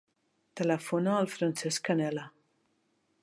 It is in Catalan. Telefona al Francesc Canela.